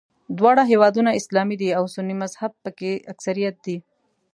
دواړه هېوادونه اسلامي دي او سني مذهب په کې اکثریت دی.